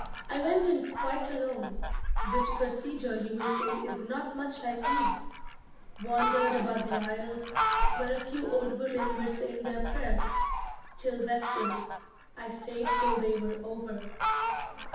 I went in quite alone (which procedure you will say is not much like me), wandered about the aisles (where a few old women were saying their prayers), till vespers. I stayed till they were over.